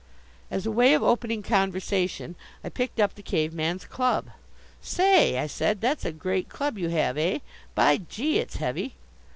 As a way of opening conversation I picked up the Cave man's club. "Say," I said, "that's a great club you have, eh? By gee! it's heavy!"